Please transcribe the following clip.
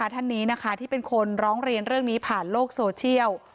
ท่านนี้นะคะที่เป็นคนร้องเรียนเรื่องนี้ผ่านโลกโซเชียล